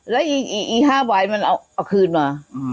แล้วอีนี้๕บายมันเอาคืนมา